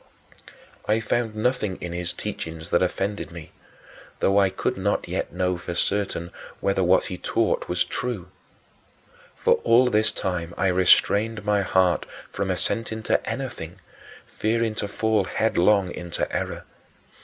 I found nothing in his teachings that offended me, though I could not yet know for certain whether what he taught was true. For all this time I restrained my heart from assenting to anything, fearing to fall headlong into error.